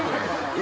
え？